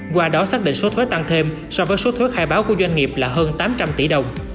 qua đó xác định số thuế tăng thêm so với số thuế khai báo của doanh nghiệp là hơn tám trăm linh tỷ đồng